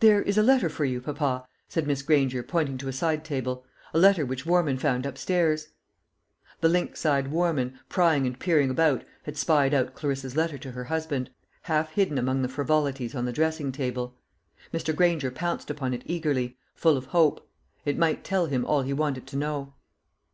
"There is a letter for you, papa," said Miss Granger, pointing to a side table; "a letter which Warman found upstairs." The lynx eyed Warman, prying and peering about, had spied out Clarissa's letter to her husband, half hidden among the frivolities on the dressing table. Mr. Granger pounced upon it eagerly, full of hope. It might tell him all he wanted to know.